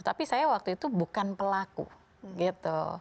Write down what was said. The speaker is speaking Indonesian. tapi saya waktu itu bukan pelaku gitu